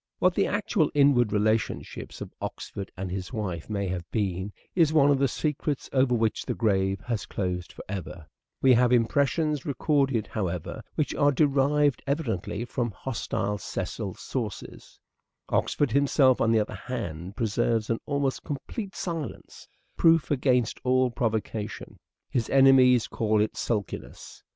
What the actual inward relationships of Oxford and his wife may have been, is one of the secrets over which the grave has closed for ever. We have im 256 " SHAKESPEARE " IDENTIFIED Sordid considera tions. A broken engagement. pressions recorded, however, which are derived evidently from hostile Cecil sources. Oxford himself, on the other hand, preserves an almost complete silence, proof against all provocation ; his enemies call it sulkiness.